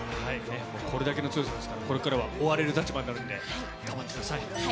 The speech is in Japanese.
これだけの強さですから、これからは追われる立場になるので、頑張ってください。